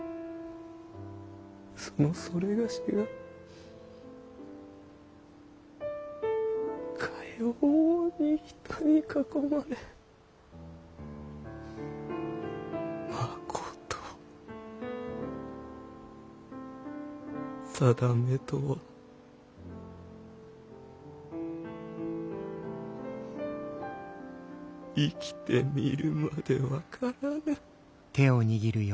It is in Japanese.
そのそれがしがかように人に囲まれまこと定めとは生きてみるまで分からない。